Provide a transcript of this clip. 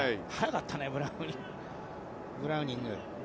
速かったねブラウニング。